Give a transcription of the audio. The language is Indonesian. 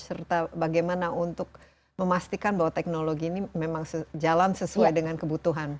serta bagaimana untuk memastikan bahwa teknologi ini memang sejalan sesuai dengan kebutuhan